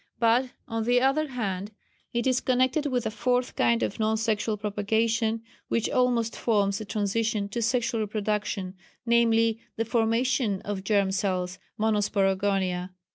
But, on the other hand, it is connected with a fourth kind of non sexual propagation, which almost forms a transition to sexual reproduction, namely, the formation of germ cells (Monosporogonia).